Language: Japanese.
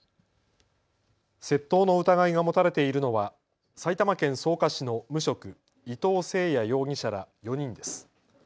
窃盗の疑いが持たれているのは埼玉県草加市の無職、伊藤聖也容疑者ら４人です。